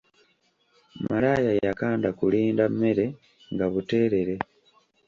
Malaaya yakanda kulinda mmere nga buteerere